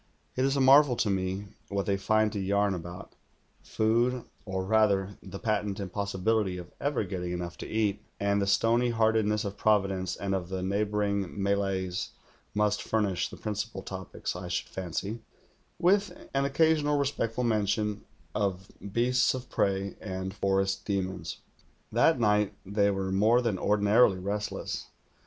It is a marvel to me what they find to yarn about: food, or rather the patent impossi bility of ever getting enough to eat, and the stony heartedness of Providence and of the neighbouring Malays must furnish the principal topics, I should fancy, with an occasional respectful mention of beasts of prey and forest demons. That night they were more than ordinarily restless.